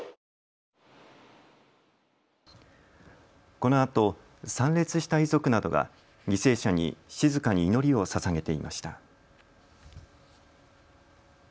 このあと参列した遺族などが犠牲者に静かに祈りをささげていました。